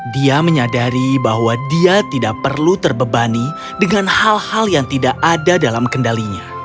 dia menyadari bahwa dia tidak perlu terbebani dengan hal hal yang tidak ada dalam kendalinya